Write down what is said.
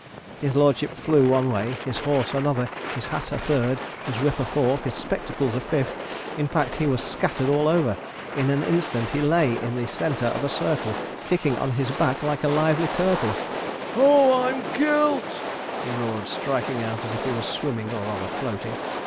His lordship flew one way, his horse another, his hat a third, his whip a fourth, his spectacles a fifth; in fact, he was scattered all over. In an instant he lay the centre of a circle, kicking on his back like a lively turtle. 'Oh! I'm kilt!' he roared, striking out as if he was swimming, or rather floating.